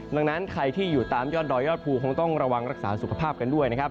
ดังนั้นใครที่อยู่ตามยอดดอยยอดภูคงต้องระวังรักษาสุขภาพกันด้วยนะครับ